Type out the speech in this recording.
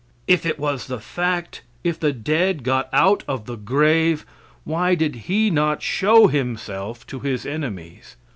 If it was the fact, if the dead got out of the grave, why did He not show himself to his enemies?